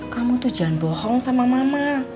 kamu tuh jangan bohong sama mama